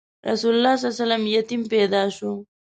رسول الله ﷺ یتیم پیدا شو.